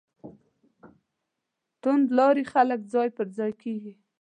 توندلاري خلک ځای پر ځای کېږي.